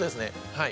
はい。